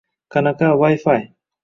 Qanaqa vayfay...